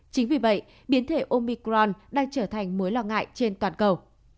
chính vì vậy biến thể omicron đang trở thành mối lo ngại trên toàn cầu